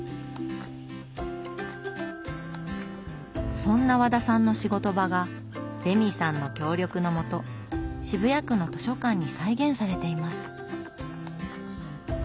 そんな和田さんの仕事場がレミさんの協力のもと渋谷区の図書館に再現されています。